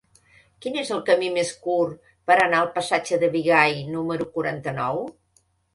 Quin és el camí més curt per anar al passatge de Bigai número quaranta-nou?